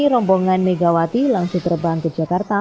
rombongan megawati langsung terbang ke jakarta